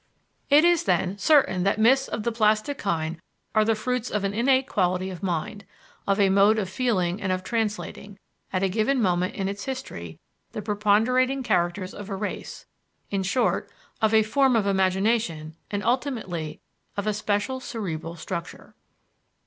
It is, then, certain that myths of the plastic kind are the fruits of an innate quality of mind, of a mode of feeling and of translating, at a given moment in its history, the preponderating characters of a race; in short, of a form of imagination and ultimately of a special cerebral structure.